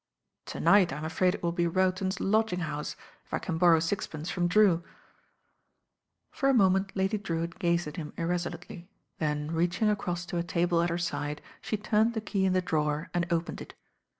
"To night I'm afraid it will be Rowton Lodging House, if I can borrow sixpence from Drew." For a moment Lady Drewitt gazed at him irreso lutely, then reaching across to a table at her side, she turned the key in the drawer and opened it.